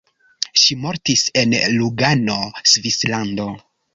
Ŝi mortis en Lugano, Svislando.